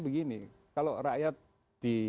begini kalau rakyat di